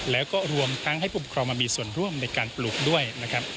แล้วก็รวมทั้งให้ผู้ปกครองมามีส่วนร่วมในการปลูกด้วยนะครับ